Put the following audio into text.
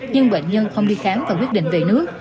nhưng bệnh nhân không đi khám và quyết định về nước